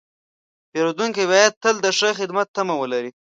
پیرودونکی باید تل د ښه خدمت تمه ولري.